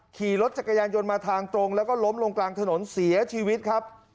ขี่รถจักรยานยนต์มาทางตรงแล้วก็ล้มลงกลางถนนเสียชีวิตครับ